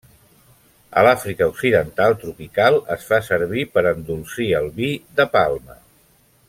En l'Àfrica occidental tropical es fa servir per endolcir el vi de palma.